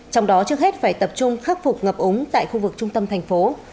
trong đó trước hết phải tập trung khắc phục ngập úng tại khu vực trung tâm thành phố